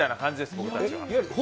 僕たちは。